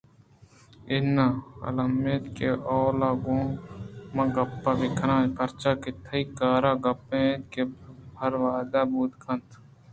اِناں الّمی اِنت کہ اول گوں من گپ بہ کن پرچا کہ آتئی کار ءِ گپ اِنت ہروہد ءَ بوت کن اَنت بلئے اے گپ ءَ کہ من گوں تو کنگ لوٹیں سک الّمی اِنت